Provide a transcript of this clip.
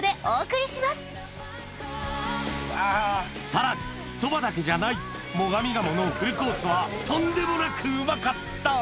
さらにそばだけじゃない最上鴨のフルコースはとんでもなくうまかった！